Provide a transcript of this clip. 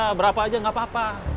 beberapa aja gak papa